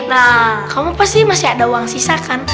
nah kamu pasti masih ada uang sisa kan